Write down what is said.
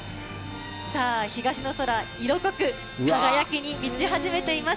東の空、色濃く輝きに満ち始めています。